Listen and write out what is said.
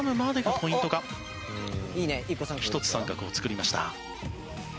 １つ三角を作りました。